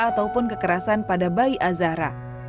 ataupun kekerasan pada bayi azahra